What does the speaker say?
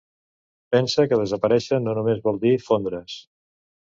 Pensa que desaparèixer no només vol dir fondre's.